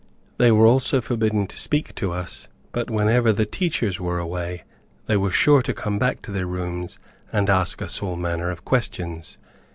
They were also forbidden to speak to us, but whenever the teachers were away, they were sure to come back to their rooms, and ask us all manner of questions.